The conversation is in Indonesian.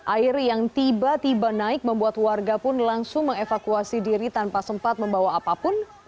air yang tiba tiba naik membuat warga pun langsung mengevakuasi diri tanpa sempat membawa apapun